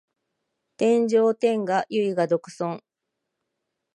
天上天下唯我独尊